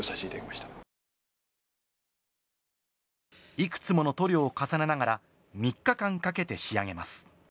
いくつもの塗料を重ねながら３日間かけて仕上げます。